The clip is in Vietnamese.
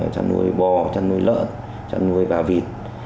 chăn nuôi bò chăn nuôi lợn chăn nuôi gà vịt